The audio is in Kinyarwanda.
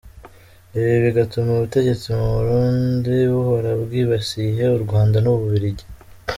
Ibi bigatuma ubutegtsi mu Burundi buhora bwibasiye u Rwanda n’u Bubiligi !